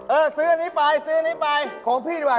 เออซื้ออันนี้ไปของพี่ดีกว่า